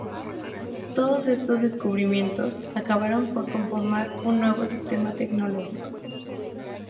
Todos estos descubrimientos acabaron por conformar un nuevo sistema tecnológico.